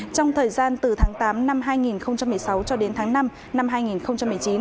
trong thời gian từ tháng tám năm hai nghìn một mươi sáu cho đến tháng năm năm hai nghìn một mươi chín